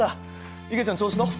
いげちゃん調子どう？